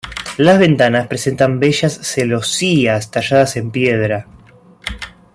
Las ventanas presentan bellas celosías talladas en piedra.